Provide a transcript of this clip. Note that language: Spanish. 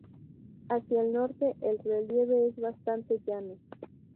Hacia el norte el relieve es bastante llano.